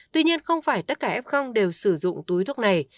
tuy nhiên không phải tất cả f đều sử dụng túi thuốc này